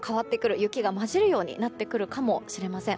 雪が交じるようになるかもしれません。